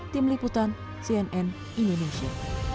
tim liputan cnn indonesia